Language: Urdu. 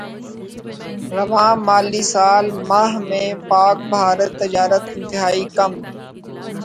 رواں مالی سال ماہ میں پاکبھارت تجارت انتہائی کم